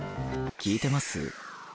聞いてます？